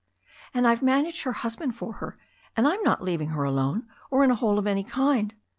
And IVe managed her husband for her. And I'm not leaving her alone or in a hole of any kind.